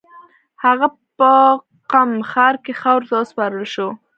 هغه په قم ښار کې خاورو ته وسپارل شو.